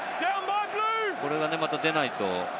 これがまた出ないと。